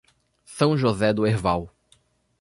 São José do Herval